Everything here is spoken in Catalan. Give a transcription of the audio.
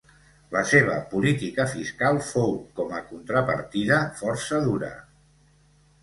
La seva política fiscal fou com a contrapartida, força dura.